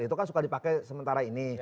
itu kan suka dipakai sementara ini